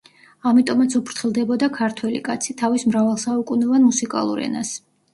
ამიტომაც უფრთხილდებოდა ქართველი კაცი თავის მრავალსაუკუნოვან მუსიკალურ ენას.